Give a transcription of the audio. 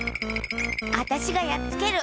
あたしがやっつける。